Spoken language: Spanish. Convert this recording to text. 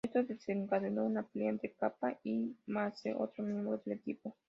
Esto desencadenó una pelea entre "Capa" y Mace, otro miembro del equipo.